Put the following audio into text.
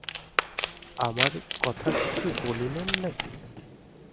আমার কথা কিছু বলিলেন না কি।